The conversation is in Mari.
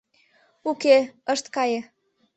Уке, ышт кае.